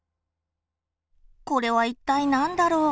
これは一体何だろう？